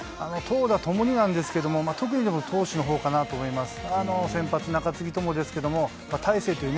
投打ともになんですけれども、特にでも投手のほうかなと思います。